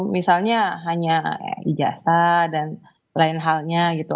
misalnya hanya ijasa dan lain halnya gitu